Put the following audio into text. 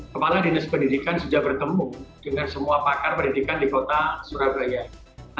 kepala dinas pendidikan sudah bertemu dengan semua pakar pendidikan di kota surabaya